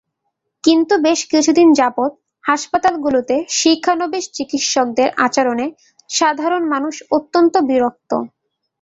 কিন্তু বেশ কিছুদিন যাবৎ হাসপাতালগুলোতে শিক্ষানবিশ চিকিৎসকদের আচরণে সাধারণ মানুষ অত্যন্ত বিরক্ত।